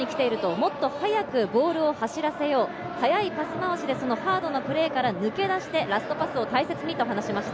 もっと速くボールを走らせよう、速いパス回しでハードなプレーから抜け出してラストパスを大切にと話しました。